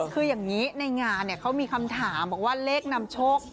คืออย่างนี้ในงานเนี่ยเขามีคำถามว่าเลขนำโชครับ